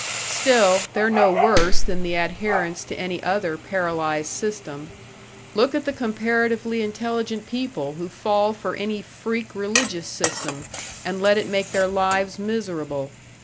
Still, they're no worse than the adherents to any other paralyzed system. Look at the comparatively intelligent people who fall for any freak religious system and let it make their lives miserable.